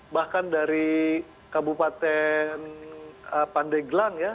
bahkan dari kabupaten pandeglang ya